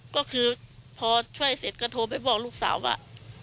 ก็คือพอช่วยเสร็จก็โทรไปบอกลูกสาวว่า